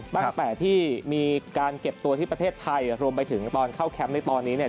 ตั้งแต่ที่มีการเก็บตัวที่ประเทศไทยรวมไปถึงตอนเข้าแคมป์ในตอนนี้เนี่ย